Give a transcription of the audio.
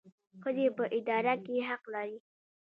ښځې په اداره کې حق لري